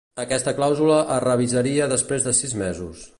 Aquesta clàusula es revisaria després de sis mesos.